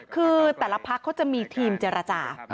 คือแต่ละพักเขาจะมีทีมเจรจา